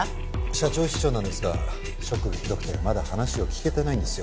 社長秘書なんですがショックがひどくてまだ話を聞けてないんですよ。